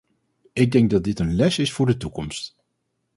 Ik denk dat dit een les is voor de toekomst.